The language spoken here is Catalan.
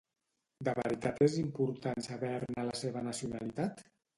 De veritat és important saber-ne la seva nacionalitat?